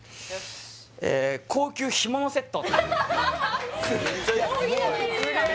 ええ高級干物セット